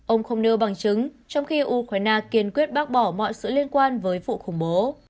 ông không nêu bằng chứng trong khi ukraine kiên quyết bác bỏ mọi sự liên quan với vụ khủng bố